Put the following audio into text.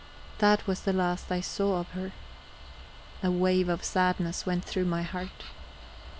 That was the last I saw of her. A wave of sadness went through my heart...